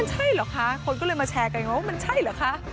มันใช่หรอคะคนก็เลยมาแชร์กันอย่างงี้ว่ามันใช่หรอคะ